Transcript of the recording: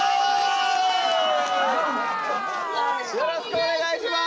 よろしくお願いします！